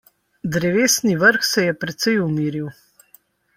Drevesni vrh se je precej umiril.